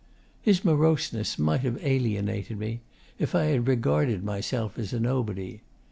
His moroseness might have alienated me if I had regarded myself as a nobody.